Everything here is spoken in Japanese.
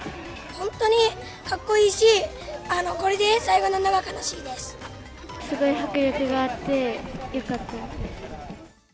本当にかっこいいし、すごい迫力があって、よかったです。